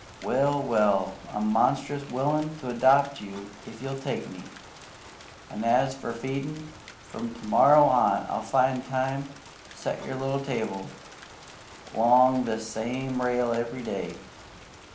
Well! Well! I'm monstrous willin' to adopt you if you'll take me; an', as for feedin', from to morrow on I'll find time to set your little table 'long this same rail every day.